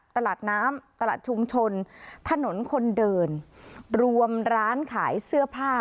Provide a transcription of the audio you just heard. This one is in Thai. ตลาดน้ำตลาดชุมชนถนนคนเดินรวมร้านขายเสื้อผ้า